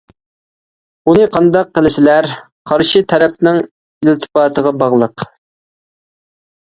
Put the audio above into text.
ئۇنى قانداق قىلىسىلەر؟ — قارشى تەرەپنىڭ ئىلتىپاتىغا باغلىق.